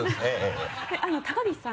高岸さん